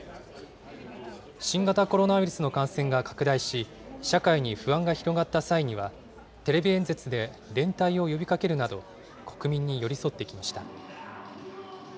新型コロナウイルスの感染が拡大し、社会に不安が広がった際には、テレビ演説で連帯を呼びかけるなど、国民に寄り添ってきました。